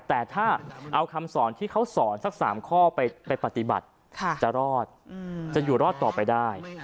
แต่ถ้าเอาคำสอนที่เขาสอนสัก๓ข้อไปปฏิบัติจะรอดจะอยู่รอดต่อไปได้